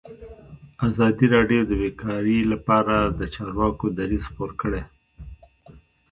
ازادي راډیو د بیکاري لپاره د چارواکو دریځ خپور کړی.